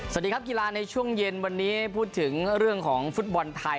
สวัสดีครับกีฬาในช่วงเย็นวันนี้พูดถึงเรื่องของฟุตบอลไทย